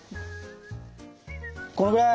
このぐらい？